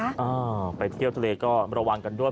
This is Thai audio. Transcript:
อ้าวไปเที่ยวทะเลก็ระวังกันด้วย